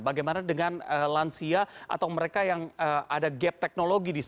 bagaimana dengan lansia atau mereka yang ada gap teknologi